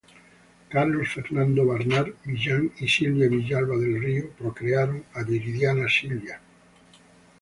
Carlos Fernando Barnard Millán y Silvia Villalba del Río, procrearon a Viridiana Silvia, Lic.